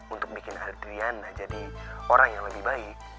untuk bikin adrian jadi orang yang lebih baik